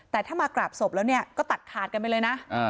แต่ถ้ามากราบศพแล้วเนี่ยก็ตัดขาดกันไปเลยนะ